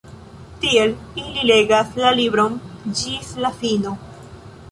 Tiel, ili legas la libron ĝis la fino.